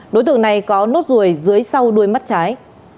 đối tượng này có nốt ruồi dưới sau đuôi mắt trái